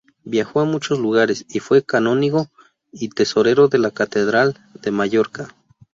Viajó a muchos lugares y fue canónigo y tesorero de la catedral de Mallorca.